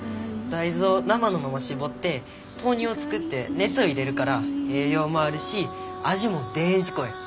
大豆を生のまま搾って豆乳を作って熱を入れるから栄養もあるし味もデージ濃い。